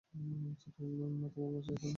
তোমার মাসির ওখানে।